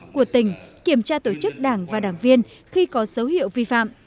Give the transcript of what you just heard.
cuộc tình kiểm tra tổ chức đảng và đảng viên khi có dấu hiệu vi phạm